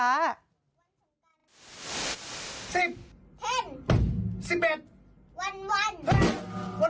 ๑๑วัน